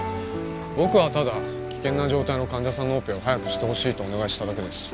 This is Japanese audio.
僕はただ危険な状態の患者さんのオペを早くしてほしいとお願いしただけです